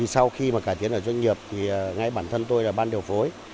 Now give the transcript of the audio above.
sau khi cải tiến sản xuất ngay bản thân tôi là ban điều phối